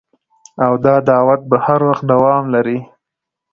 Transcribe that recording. او دا دعوت به هر وخت دوام لري